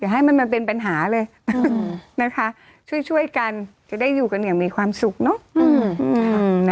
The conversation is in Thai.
ให้มันเป็นปัญหาเลยนะคะช่วยกันจะได้อยู่กันอย่างมีความสุขเนอะ